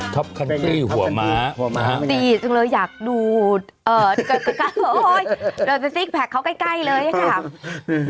ท็อปคันตรีหัวม้าตีดจริงเลยอยากดูดโอ้ยเราไปสิ้นแผลกเขาใกล้เลยนะครับ